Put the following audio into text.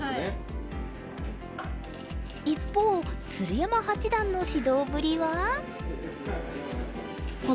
一方鶴山八段の指導ぶりは？